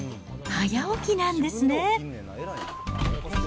早起きなんですね。